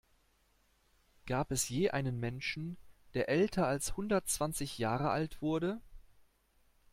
Gab es je einen Menschen, der älter als hundertzwanzig Jahre alt wurde?